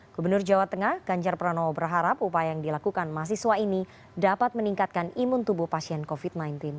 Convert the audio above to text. gubernur jawa tengah ganjar pranowo berharap upaya yang dilakukan mahasiswa ini dapat meningkatkan imun tubuh pasien covid sembilan belas